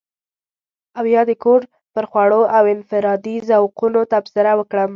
او يا د کور پر خوړو او انفرادي ذوقونو تبصره وکړم.